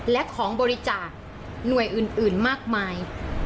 และของบริจาคหน่วยอื่นมากมาย